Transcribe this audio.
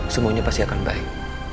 semuanya pasti akan baik